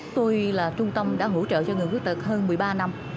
tôi là trung tâm đã hỗ trợ cho người khuyết tật hơn một mươi ba năm